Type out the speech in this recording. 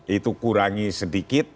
itu kurangi sedikit